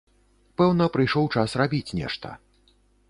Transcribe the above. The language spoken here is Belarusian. Пэўна, прыйшоў час рабіць нешта.